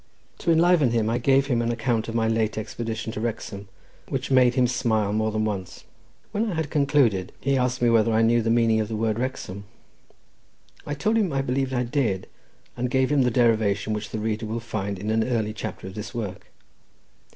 To enliven him I gave him an account of my late expedition to Wrexham, which made him smile more than once. When I had concluded, he asked me whether I knew the meaning of the word Wrexham; I told him I believed I did, and gave him the derivation which the reader will find in an early chapter of this work.